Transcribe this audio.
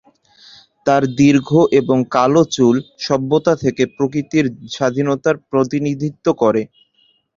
তার, দীর্ঘ এবং কালো চুল সভ্যতা থেকে প্রকৃতির স্বাধীনতার প্রতিনিধিত্ব করে।